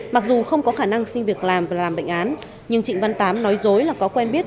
mặc dù không có khả năng xin việc làm và làm bệnh án nhưng trịnh văn tám nói dối là có quen biết